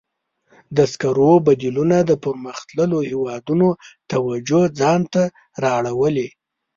د سکرو بدیلونه د پرمختللو هېوادونو توجه ځان ته را اړولې.